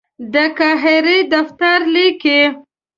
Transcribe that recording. د قاهرې دفتر ته لیکي.